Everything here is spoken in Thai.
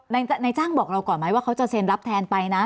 นายจ้างบอกเราก่อนไหมว่าเขาจะเซ็นรับแทนไปนะ